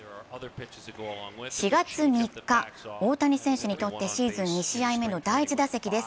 ４月３日、大谷選手にとってシーズン２試合目の第１打席です。